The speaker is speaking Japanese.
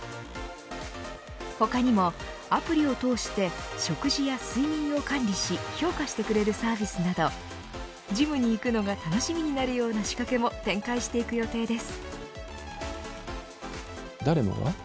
他にも、アプリを通して食事や睡眠を管理し評価してくれるサービスなどジムに行くのが楽しみになるような仕掛けも展開していく予定です。